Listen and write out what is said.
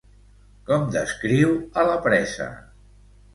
Com descriu a la presa?